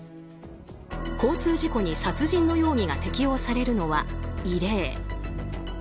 交通事故に殺人の容疑が適用されるのは異例。